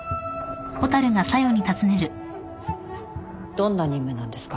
どんな任務なんですか？